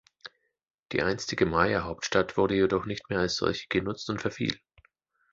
Die einstige Maya-Hauptstadt wurde jedoch nicht mehr als solche genutzt und verfiel.